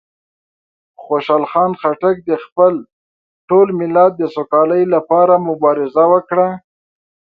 خوشحال خان خټک د خپل ټول ملت د سوکالۍ لپاره مبارزه وکړه.